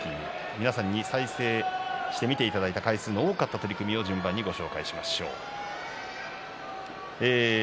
皆さんに再生して見ていただいた回数が多かった取組をご紹介しましょう。